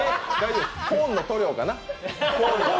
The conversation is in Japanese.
コーンの塗料かな？